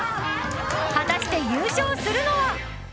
果たして優勝するのは。